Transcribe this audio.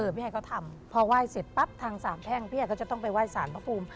ไม่ให้เขาทำพอไหว้เสร็จปั๊บทางสามแพ่งพี่ไอก็จะต้องไปไห้สารพระภูมิ